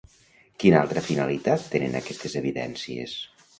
Quina altra finalitat tenen aquestes evidències?